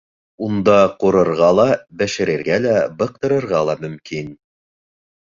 Унда ҡурырға ла, бешерергә лә, быҡтырырға ла мөмкин